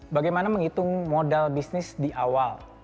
bagaimana menghitung modal bisnis di awal